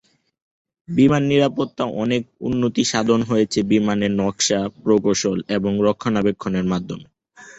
বিমান নিরাপত্তার অনেক উন্নতিসাধন হয়েছে বিমানের নকশা, প্রকৌশল এবং রক্ষণাবেক্ষণের মাধ্যমে।